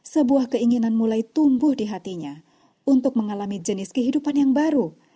sebuah keinginan mulai tumbuh di hatinya untuk mengalami jenis kehidupan yang baru